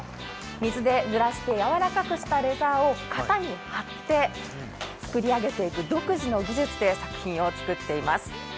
水で濡らしてやわらかくしたレザーを型に貼って作り上げていく独自の技術で作品を作っています。